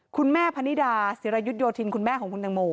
คุณแม่พนิดาศิรยุทธโยธินคุณแม่ของคุณตังโม